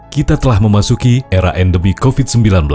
kita telah memasuki era endemi covid sembilan belas